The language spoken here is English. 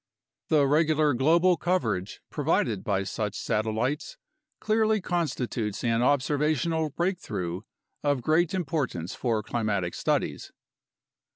The regular global coverage provided by such satellites clearly constitutes an observational breakthrough of great importance for climatic studies.